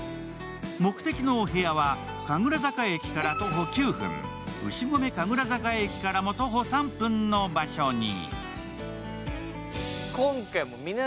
目的のお部屋は神楽坂駅から徒歩９分、牛込神楽坂駅からも徒歩３分の場所に。